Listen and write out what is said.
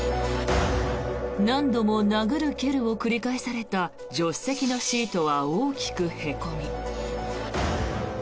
何度も殴る蹴るを繰り返された助手席のシートは大きくへこみ